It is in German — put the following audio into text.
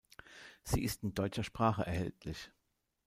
Sie ist in deutscher Sprache erhältlich.